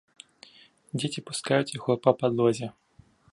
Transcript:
Дзеці пускаюць яго па падлозе.